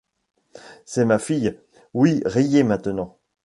C’est ma fille !— Oui, riez maintenant !